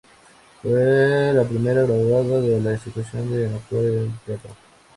Fue la primera graduada de la institución en actuar en el teatro.